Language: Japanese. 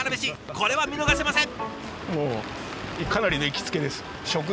これは見逃せません。